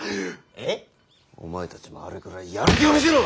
えっ？お前たちもあれくらいやる気を見せろ！